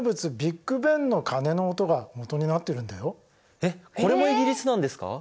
これもえこれもイギリスなんですか？